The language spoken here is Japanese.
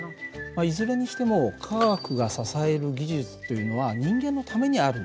まあいずれにしても科学が支える技術というのは人間のためにあるんだよね。